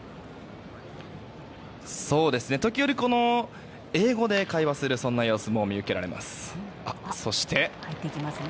時折、英語で会話する様子も見受けられますね。